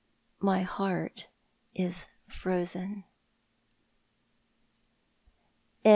My heart is frozen.